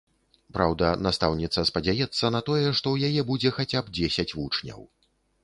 Праўда, настаўніца спадзяецца на тое, што ў яе будзе хаця б дзесяць вучняў.